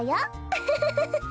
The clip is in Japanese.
ウフフフフフ。